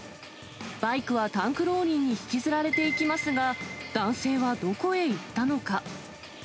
バイクはタンクローリーに引きずられていきますが、男性はどこへ行ったのか。